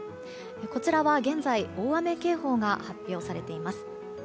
こちらは現在大雨警報が発表されています。